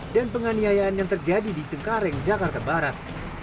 dan penganiayaan yang terjadi di cengkareng jakarta barat